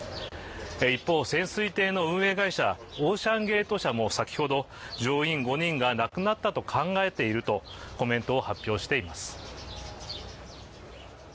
一方、潜水艇の運営会社オーシャンゲート社も先ほど乗員５人が亡くなったと考えているとコメントを発表しています。